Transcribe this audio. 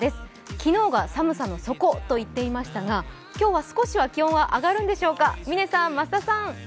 昨日が寒さの底と言っていましたが今日は少しは気温は上がるんでしょうか？